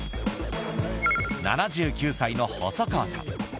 ７９歳の細川さん。